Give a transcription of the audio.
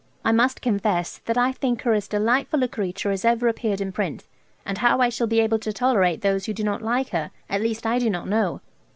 I must confess that I think her as delightful a creature as ever appeared in print, and how I shall be able to tolerate those who do not like her at least I do not know.